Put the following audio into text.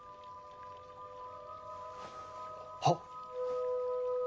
はっ。